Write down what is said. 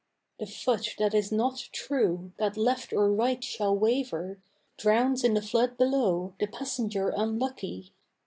The foot that is not true, that left or right shall waver, Drowns in the flood below the passenger unlucky.